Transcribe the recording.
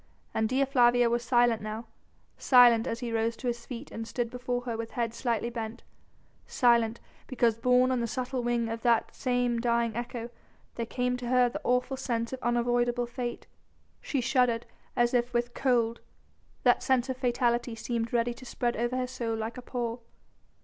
And Dea Flavia was silent now: silent as he rose to his feet and stood before her with head slightly bent, silent, because borne on the subtle wing of that same dying echo there came to her the awful sense of unavoidable fate. She shuddered as if with cold, that sense of fatality seemed ready to spread over her soul like a pall.